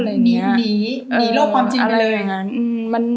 หนีหนีโลกความจริงไปเลย